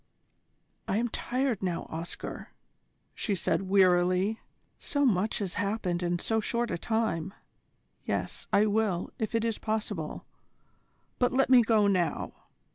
"I am tired now, Oscar," she said wearily, "so much has happened in so short a time. Yes, I will, if it is possible: but let me go now.